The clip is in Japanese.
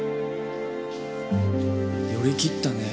寄り切ったね。